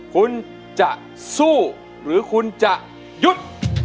คุณจะสู้หรือคุณจะหยุด